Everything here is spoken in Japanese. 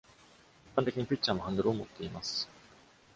一般的に、ピッチャーもハンドルを持っています。